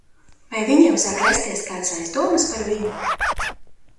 Vai viņiem sāk rasties kādas aizdomas par viņu?